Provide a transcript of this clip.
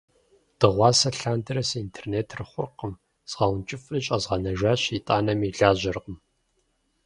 Дыгъуасэ лъандэрэ си интернетыр хъуркъым. Згъэункӏыфӏри щӏэзгъанэжащ, итӏанэми лажьэркъым.